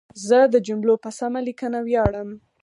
زه د جملو په سمه لیکنه ویاړم.